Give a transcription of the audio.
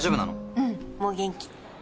うんもう元気。